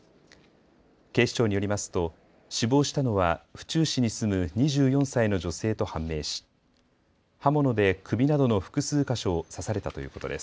警視庁によりますと死亡したのは府中市に住む２４歳の女性と判明し刃物で首などの複数箇所を刺されたということです。